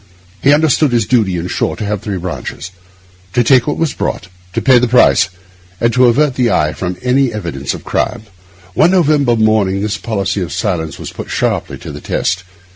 He understood his duty, in short, to have three branches: to take what was brought, to pay the price, and to avert the eye from any evidence of crime. One November morning this policy of silence was put sharply to the test.